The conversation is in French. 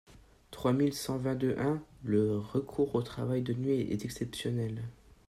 trois mille cent vingt-deux-un :« Le recours au travail de nuit est exceptionnel.